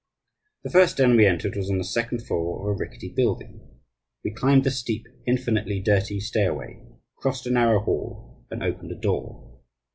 The first den we entered was on the second floor of a rickety building. We climbed the steep, infinitely dirty stairway, crossed a narrow hall, and opened a door.